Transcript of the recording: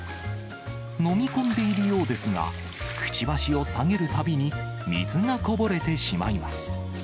飲み込んでいるようですが、くちばしを下げるたびに、水がこぼれてしまいます。